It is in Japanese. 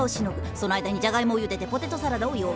その間にジャガイモをゆでてポテトサラダを用意。